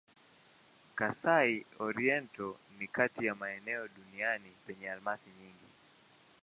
Kasai-Oriental ni kati ya maeneo duniani penye almasi nyingi.